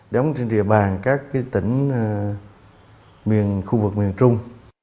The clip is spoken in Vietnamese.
đóng trên địa bàn các cái tỉnh khu vực miền trung